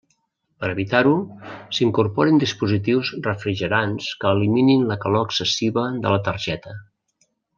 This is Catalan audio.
Per evitar-ho, s'incorporen dispositius refrigerants que eliminin la calor excessiva de la targeta.